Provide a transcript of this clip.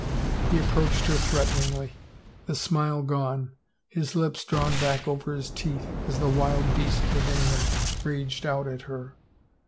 He approached her threateningly, the smile gone, his lips drawn back over his teeth as the wild beast within him raged out at her.